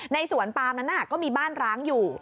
สวนปามนั้นก็มีบ้านร้างอยู่